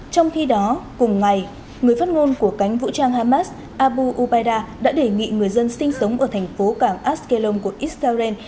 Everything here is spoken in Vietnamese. trong khi đó cùng ngày người phát ngôn của cánh vũ trang hamas abu ubaida đã đề nghị người dân sinh sống ở thành phố cảng askelon của israel